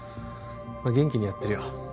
元気にやってるよ